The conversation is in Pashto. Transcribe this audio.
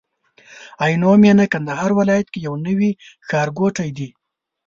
عينو مينه کندهار ولايت کي يو نوي ښارګوټي دي